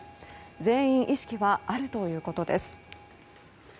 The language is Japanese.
全員意識はあるということです。